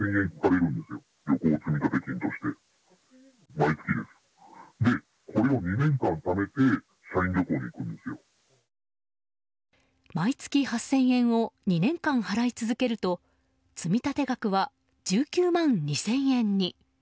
毎月８０００円を２年間払い続けると積立額は１９万２０００円に。